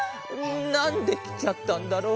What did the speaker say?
なんできちゃったんだろう。